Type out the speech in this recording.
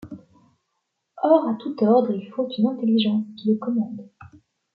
Or à tout ordre il faut une intelligence qui le commande.